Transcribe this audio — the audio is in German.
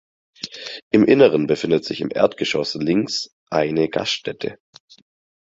Im Inneren befindet sich im Erdgeschoss links eine Gaststätte.